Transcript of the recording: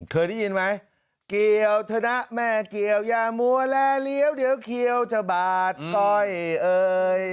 เคยได้ยินไหมเกี่ยวเถอะนะแม่เกี่ยวอย่ามัวแลเลี้ยวเดี๋ยวเขียวจะบาดก้อยเอ่ย